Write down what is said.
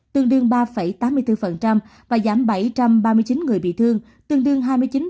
tương đương ba tám mươi bốn và giảm bảy trăm ba mươi chín người bị thương tương đương hai mươi chín